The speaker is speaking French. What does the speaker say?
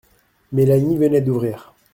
Mélanie venait d'ouvrir.